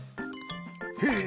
へえ！